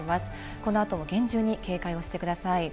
この後も厳重に警戒をしてください。